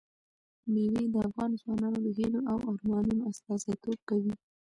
مېوې د افغان ځوانانو د هیلو او ارمانونو استازیتوب کوي.